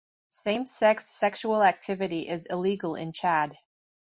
Same-sex sexual activity is illegal in Chad.